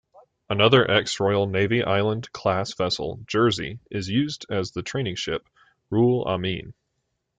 Another ex-Royal Navy Island-class vessel, "Jersey", is used as the training ship, "Ruhul Amin".